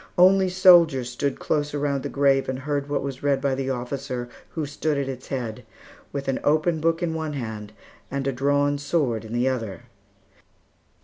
Only soldiers stood close around the grave and heard what was read by the officer who stood at its head, with an open book in one hand and a drawn sword in the other.